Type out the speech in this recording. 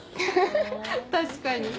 確かに。